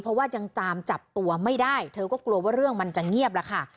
เพราะว่ายังตามจับตัวไม่ได้เธอก็กลัวว่าเรื่องมันจะเงียบแล้วค่ะ